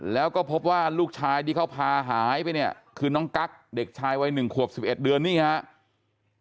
แล้วก็พบว่าลูกชายที่เขาพาหายไปเนี่ยคือน้องกั๊กเด็กชายวัย๑ขวบ๑๑เดือนนี่ครับ